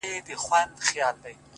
اې غمه جانه; گرانه; صدقانه; سرگردانه;